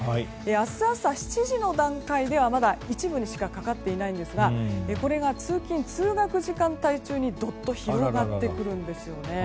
明日朝、７時の段階ではまだ一部にしかかかっていませんがこれが通勤・通学時間帯にどっと広がってくるんですよね。